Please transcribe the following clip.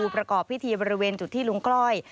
ประกอบพิธีบริเวณจุดที่ลุงก้อย